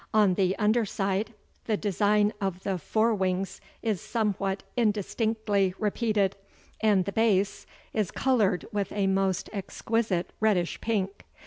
On the under side the design of the fore wings is somewhat indistinctly repeated, and the base is colored with a most exquisite reddish pink.